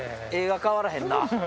画が変わらへんな。